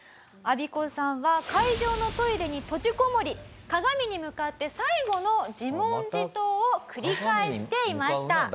アビコさんは会場のトイレに閉じこもり鏡に向かって最後の自問自答を繰り返していました。